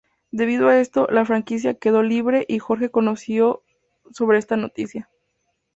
Debido a esto, la franquicia quedó libre y Jorge conoció sobre esta noticia.